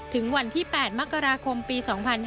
ถึงวันที่๘มกราคมปี๒๕๕๙